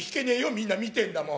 みんな見てんだもん。